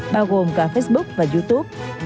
bao gồm cả facebook và youtube